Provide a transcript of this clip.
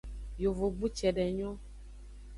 Yovogbu cede nyon.